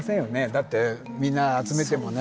だってみんな集めてもね。